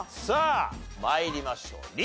さあ参りましょう。